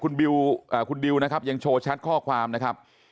คุณบิลล์คุณดิวล์นะครับยังโชว์ชัดข้อความนะครับ